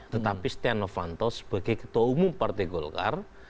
tetapi steno fanto sebagai ketua umum partai golkar